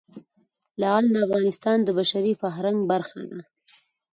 لعل د افغانستان د بشري فرهنګ برخه ده.